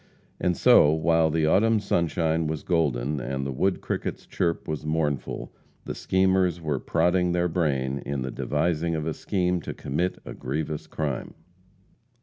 And so, while the autumn sunshine was golden, and the wood cricket's chirp was mournful, the schemers were prodding their brain in the devising of a scheme to commit a grievous crime.